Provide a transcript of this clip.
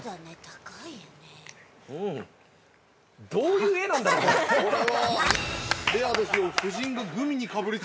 ◆どういう画なんだろう、これ。